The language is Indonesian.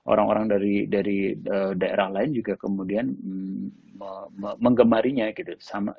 orang orang dari daerah lain juga kemudian mengemarinya gitu